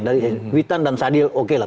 dari witan dan sadil oke lah